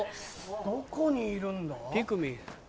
どこにいるんだ？